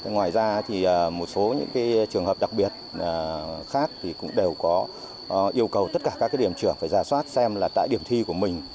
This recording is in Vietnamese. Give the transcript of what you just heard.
ngoài ra một số trường hợp đặc biệt khác cũng đều yêu cầu tất cả các điểm trường phải giả soát xem tại điểm thi của mình